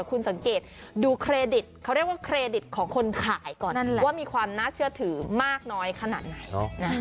คุณสังเกตดูเครดิตเขาเรียกว่าเครดิตของคนขายก่อนนั่นแหละว่ามีความน่าเชื่อถือมากน้อยขนาดไหน